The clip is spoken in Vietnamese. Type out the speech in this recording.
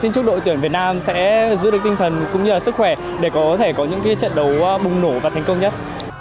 xin chúc đội tuyển việt nam sẽ giữ được tinh thần cũng như là sức khỏe để có thể có những trận đấu bùng nổ và thành công nhất